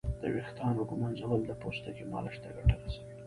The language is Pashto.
د ویښتانو ږمنځول د پوستکي مالش ته ګټه رسوي.